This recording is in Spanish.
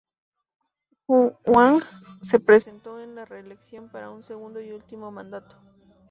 Huang se presentó a la reelección para un segundo y último mandato.